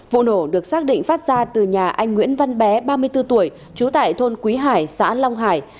vụ nổ được xác định phát ra từ nhà anh nguyễn văn bé ba mươi bốn tuổi trú tại thôn quý hải xã long hải